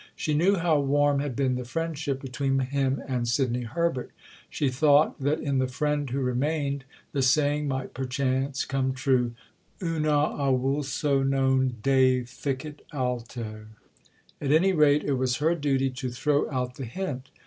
She knew how warm had been the friendship between him and Sidney Herbert. She thought that in the friend who remained the saying might perchance come true: uno avulso non deficit alter. At any rate it was her duty to throw out the hint.